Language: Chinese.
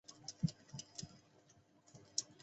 白洋淀缘口吸虫为棘口科缘口属的动物。